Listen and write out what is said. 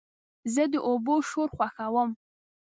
زه د اوبو شور خوښوم.